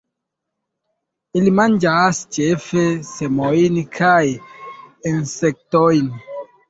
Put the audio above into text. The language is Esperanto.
Ili manĝas ĉefe semojn kaj insektojn.